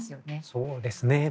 そうですね。